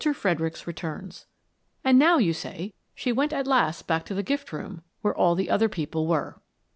FREDERICKS RETURNS And now, you say, she went at last back to the gift room, where all the other people were.